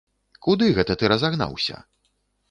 Куды гэта ты разагнаўся?